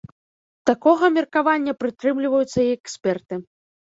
Такога меркавання прытрымліваюцца і эксперты.